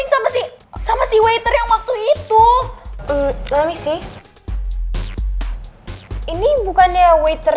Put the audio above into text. gio masing masing ironis sama si waiter ihr waktu itu